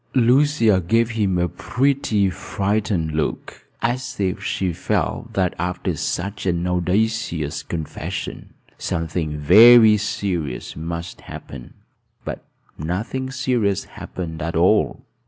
Lucia gave him a pretty, frightened look, as if she felt that, after such an audacious confession, something very serious must happen; but nothing serious happened at all.